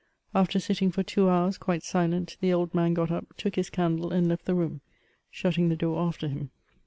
After sitting for two hours, quite silent, the old man got up, took his candle, and left the room, shutting the door after him.